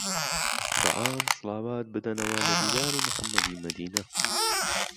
به عام سڵاوات بدهنهوه له دیداری محهممهدیمهدينه.